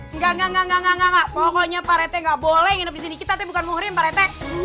enggak enggak enggak enggak enggak pokoknya pak rete nggak boleh nginep disini kita bukan muhri pak rete